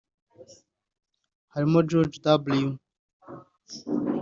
harimo George W